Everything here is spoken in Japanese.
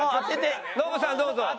ノブさんどうぞ。